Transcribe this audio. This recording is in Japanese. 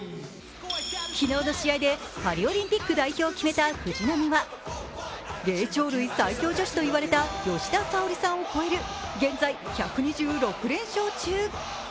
昨日の試合でパリオリンピック代表を決めた藤波は霊長類最強女子と言われた吉田沙保里さんを超える現在１２６連勝中。